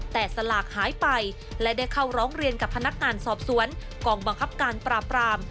แต่สลากหายไปและได้เข้าร้องเรียนกับพนักงานสอบสวนกองบังคับการปราบราม